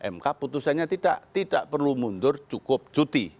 mk putusannya tidak perlu mundur cukup cuti